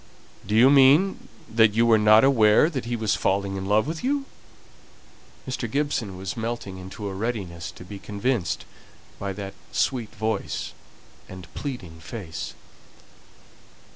"Do you mean that you were not aware that he was falling in love with you?" Mr. Gibson was melting into a readiness to be convinced by that sweet voice and pleading face.